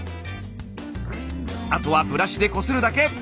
あとはブラシでこするだけ。